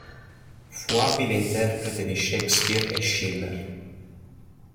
Fu abile interprete di Shakespeare e Schiller.